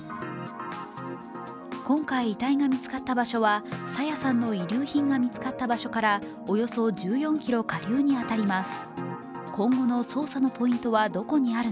今回遺体が見つかった場所は朝芽さんの遺留品が見つかった場所からおよそ１４ｋｍ下流に当たります。